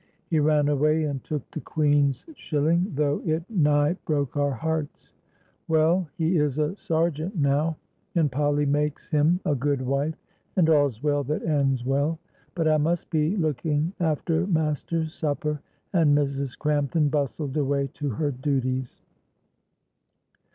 He ran away and took the Queen's shilling, though it nigh broke our hearts. Well, he is a sergeant now, and Polly makes him a good wife, and all's well that ends well. But I must be looking after master's supper," and Mrs. Crampton bustled away to her duties.